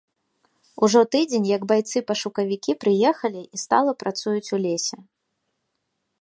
Ужо тыдзень, як байцы-пашукавікі прыехалі і стала працуюць у лесе.